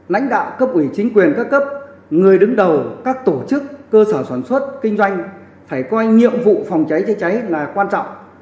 lãnh đạo cấp ủy chính quyền các cấp người đứng đầu các tổ chức cơ sở sản xuất kinh doanh phải coi nhiệm vụ phòng cháy chữa cháy là quan trọng